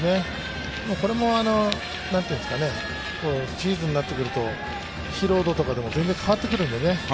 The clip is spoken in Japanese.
これもシーズンになってくると、疲労度とかでも全然、変わってくるんでね。